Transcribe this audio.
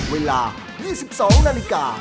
เวลา๒๒นาฬิกา